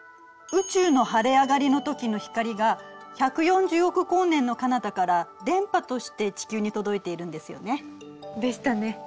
宇宙の晴れ上がりのときの光が１４０億光年のかなたから電波として地球に届いているんですよね。